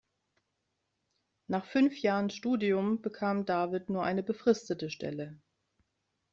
Nach fünf Jahren Studium bekam David nur eine befristete Stelle.